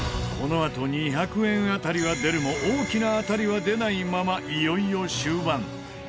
このあと２００円当たりは出るも大きな当たりは出ないままいよいよ終盤。